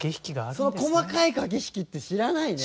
その細かい駆け引きって知らないね。